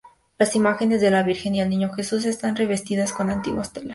Las imágenes de la Virgen y el Niño Jesús están revestidas con antiguas telas.